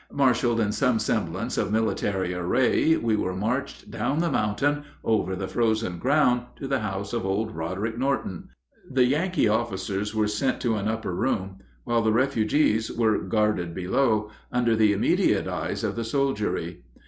Marshaled in some semblance of military array, we were marched down the mountain, over the frozen ground, to the house of old Roderic Norton. The Yankee officers were sent to an upper room, while the refugees were guarded below, under the immediate eyes of the soldiery.